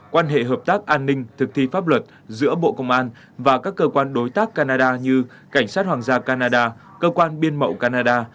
quan hệ hợp tác an ninh thực thi pháp luật giữa bộ công an và các cơ quan đối tác canada như cảnh sát hoàng gia canada cơ quan biên mậu canada